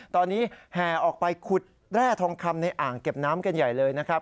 ตอนนี้แห่ออกไปขุดแร่ทองคำในอ่างเก็บน้ำกันใหญ่เลยนะครับ